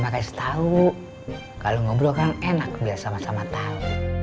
kalau ngobrol kan enak biar sama sama tau